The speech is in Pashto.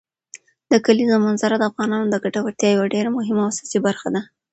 د کلیزو منظره د افغانانو د ګټورتیا یوه ډېره مهمه او اساسي برخه ده.